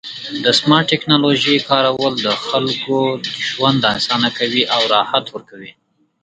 د سمارټ ټکنالوژۍ کارول د خلکو ژوند اسانه کوي او راحت ورکوي.